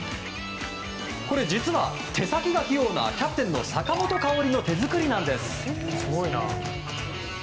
これ実は手先が器用なキャプテン坂本花織の手作りなんです。